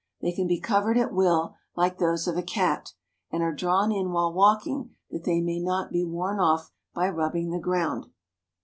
They can be covered at will, like those of a cat, and are drawn in while walking that they may not be worn off by rubbing the ground.